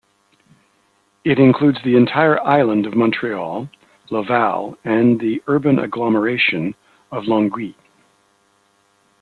It includes the entire Island of Montreal, Laval, and the Urban Agglomeration of Longueuil.